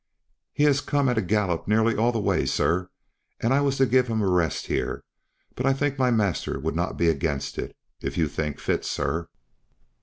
"He has come at a gallop nearly all the way, sir, and I was to give him a rest here; but I think my master would not be against it, if you think fit, sir."